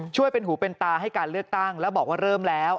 ช่วยเป็นหูเป็นตาให้การเลือกตั้งแล้วบอกว่าเริ่มแล้ว